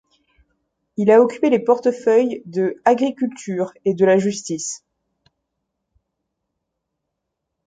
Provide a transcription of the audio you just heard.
Il a occupé les portefeuilles de Agriculture et de la Justice.